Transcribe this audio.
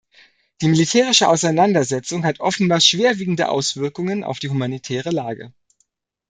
Die militärische Auseinandersetzung hat offenbar schwerwiegende Auswirkungen auf die humanitäre Lage.